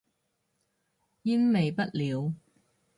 煙味不了